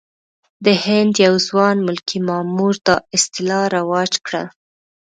د هند یو ځوان ملکي مامور دا اصطلاح رواج کړه.